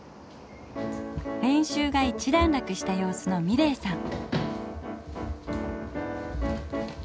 練習が一段落した様子の美礼さん。